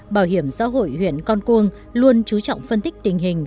bảo hiểm xã hội huyện con cuông luôn chú trọng phân tích tình hình